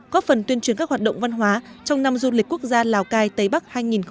có phần tuyên truyền các hoạt động văn hóa trong năm du lịch quốc gia lào cai tây bắc hai nghìn hai mươi